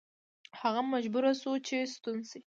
هغه مجبور شو چې ستون شي.